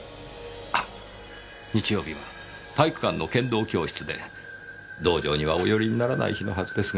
あっ日曜日は体育館の剣道教室で道場にはお寄りにならない日のはずですが。